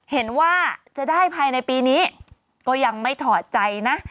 เห็นว่าจะได้ภายในปีนี้ก็ยังไม่ถอดใจนะ